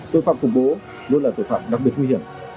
tội phạm khủng bố luôn là tội phạm đặc biệt nguy hiểm